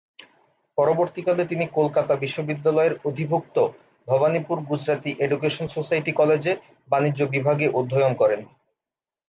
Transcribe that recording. পরবর্তীকালে তিনি কলকাতা বিশ্ববিদ্যালয়ের অধিভুক্ত ভবানীপুর গুজরাতি এডুকেশন সোসাইটি কলেজে বাণিজ্য বিভাগে অধ্যয়ন করেন।